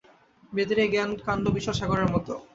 বেদের এই জ্ঞানকাণ্ড বিশাল সাগরের মত।